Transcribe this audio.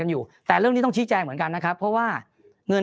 อยู่แต่เรื่องนี้ต้องชี้แจงเหมือนกันนะครับเพราะว่าเงิน